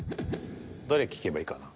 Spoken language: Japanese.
どれ聞けばいいかな？